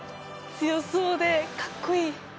強そうでかっこいい！